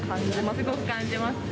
すごく感じますね。